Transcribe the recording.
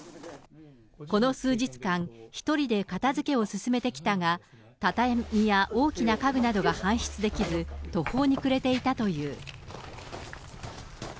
この数日間、１人で片づけを進めてきたが、畳や大きな家具などが搬出できず、途方に暮れていたという。